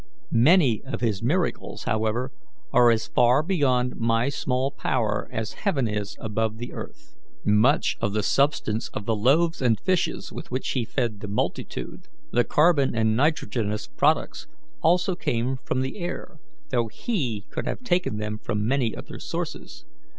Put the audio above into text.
Many of His miracles, however, are as far beyond my small power as heaven is above the earth. Much of the substance of the loaves and fishes with which He fed the multitude the carbon and nitrogenous products also came from the air, though He could have taken them from many other sources.